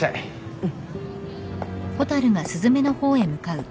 うん。